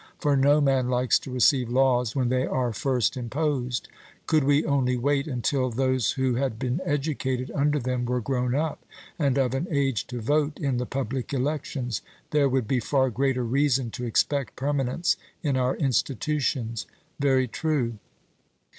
For no man likes to receive laws when they are first imposed: could we only wait until those who had been educated under them were grown up, and of an age to vote in the public elections, there would be far greater reason to expect permanence in our institutions. 'Very true.'